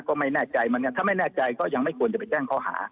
ก็ไม่แน่ใจเหมือนกันถ้าไม่แน่ใจก็ยังไม่ควรจะไปแจ้งข้อหา